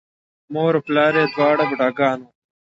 مور و پلار یې دواړه بوډاګان وو،